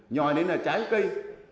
nhòi nên là trái cây